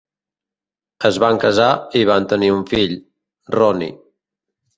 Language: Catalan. Es van casar i van tenir un fill, Ronnie.